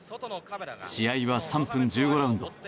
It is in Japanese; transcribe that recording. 試合は３分１５ラウンド。